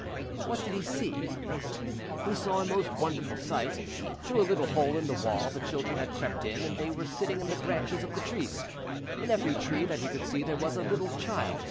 What did he see? He saw a most wonderful sight. Through a little hole in the wall the children had crept in, and they were sitting in the branches of the trees. In every tree that he could see there was a little child.